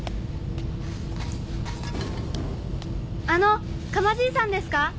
あの釜爺さんですか？